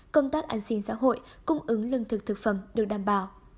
công tác an sinh xã hội cung ứng lương thực thực phẩm được đảm bảo